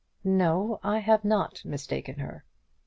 "No; I have not mistaken her."